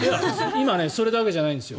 今、それだけじゃないんですよ。